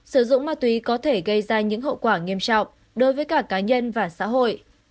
sử dụng ma túy có thể gây ra những hậu quả nghiêm trọng đối với cả cá nhân và xã hội